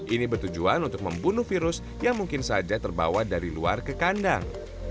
ini bertujuan untuk membunuh virus yang mungkin saja terbawa dari luar ke kandang